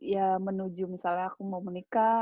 ya menuju misalnya aku mau menikah